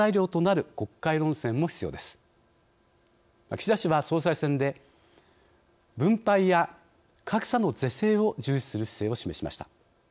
岸田氏は総裁選で分配や格差の是正を重視する姿勢を示しました。